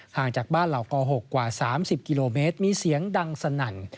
ห่างจากบ้านเหล่าก๖กว่า๓๐กิโลเมตรมีเสียงดังสนั่น